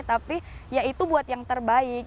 tapi ya itu buat yang terbaik